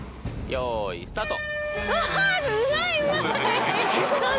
よいスタート！